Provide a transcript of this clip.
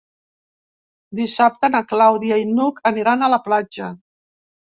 Dissabte na Clàudia i n'Hug aniran a la platja.